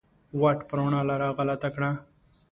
واټ په روڼا لار غلطه کړه